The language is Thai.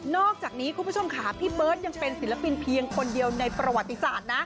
อกจากนี้คุณผู้ชมค่ะพี่เบิร์ตยังเป็นศิลปินเพียงคนเดียวในประวัติศาสตร์นะ